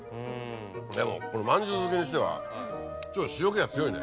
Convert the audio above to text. でもまんじゅう好きにしてはちょっと塩気が強いね。